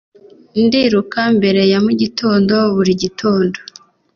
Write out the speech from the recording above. Ndiruka mbere ya mugitondo buri gitondo